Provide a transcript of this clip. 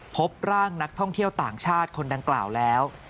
พบร่างนักท่องเที่ยวต่างชาติคนดังกล่าวแล้ว